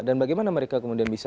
dan bagaimana mereka kemudian bisa